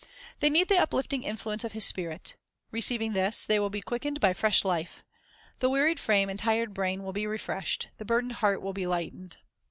They need the uplifting influence of His Spirit. Receiving this, they will be quickened by fresh life. The wearied frame and tired brain will be refreshed, the burdened heart will be lightened.